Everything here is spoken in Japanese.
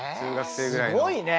すごいね！